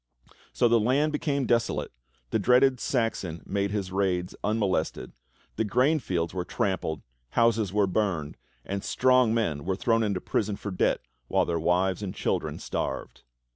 So the land became desolate, the dreaded Saxon made his raids unmolested, the grain fields were trampled, houses were burned, and strong men were thrown into prison for debt while their wives and children starved.